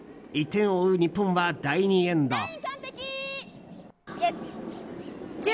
１点を追う日本は第２エンド。